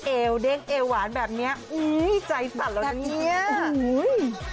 เอวเด้งเอวหวานแบบเนี้ยอุ้ยใจสั่นแล้วเนี้ยแบบเนี้ยอุ้ย